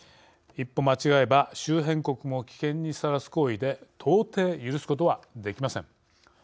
一歩間違えば周辺国も危険にさらす行為で到底許すことはできません。